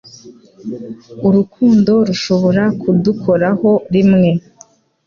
Urukundo rushobora kudukoraho rimwe